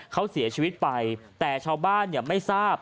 เขาเสียชีวิตไปแต่ชาวบ้านไม่ทราบ